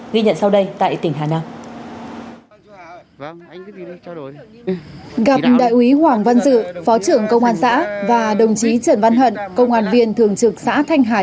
gặp đại úy hoàng văn dự phó trưởng công an xã và đồng chí trần văn hận công an viên thường trực xã thanh hải